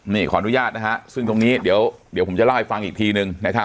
นี่ขออนุญาตนะฮะซึ่งตรงนี้เดี๋ยวผมจะเล่าให้ฟังอีกทีนึง